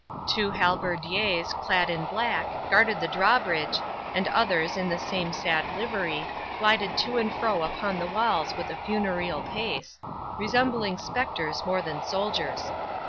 Two halberdiers, clad in black, guarded the drawbridge, and others, in the same sad livery, glided to and fro upon the walls with a funereal pace, resembling spectres more than soldiers.